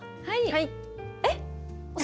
はい。